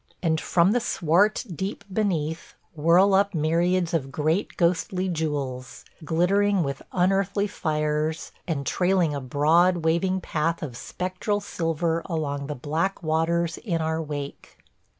And from the swart deep beneath whirl up myriads of great ghostly jewels, glittering with unearthly fires and trailing a broad waving path of spectral silver along the black waters in our wake.